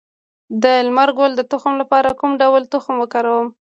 د لمر ګل د تخم لپاره کوم ډول تخم وکاروم؟